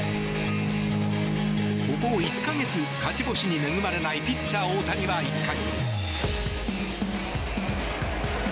ここ１か月、勝ち星に恵まれないピッチャー大谷は１回。